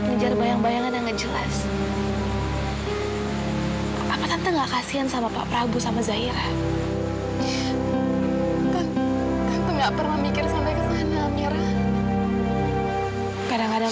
termasuk kayak saya